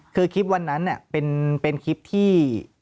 คือคลิปวันนั้นเป็นคลิปที่